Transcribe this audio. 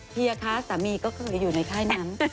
เฮียคะสามีก็คืออยู่ในค่ายนั้น